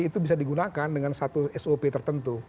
itu bisa digunakan dengan satu sop tertentu